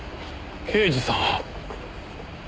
刑事さん！